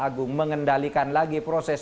agung mengendalikan lagi proses